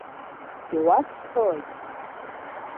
Иуасҳәои?!